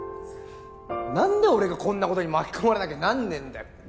何で俺がこんなことに巻き込まれなきゃなんねえんだよ！